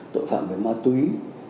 tội phạm với ma túy